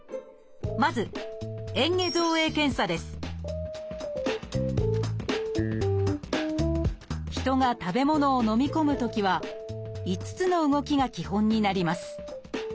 まず人が食べ物をのみ込むときは５つの動きが基本になります。